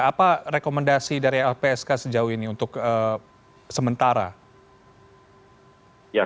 apa rekomendasi dari lpsk sejauh ini untuk sementara